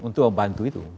untuk membantu itu